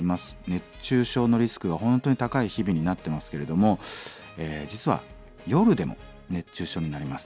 熱中症のリスクが本当に高い日々になってますけれども実は夜でも熱中症になります。